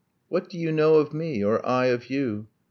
What do you know of me, or I of you?